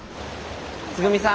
つぐみさん。